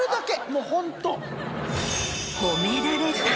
もうホント。